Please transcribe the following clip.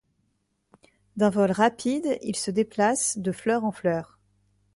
D'un vol rapide, ils se déplacent de fleur en fleur.